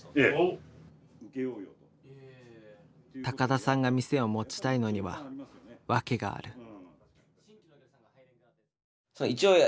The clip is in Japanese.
高田さんが店を持ちたいのには訳がある。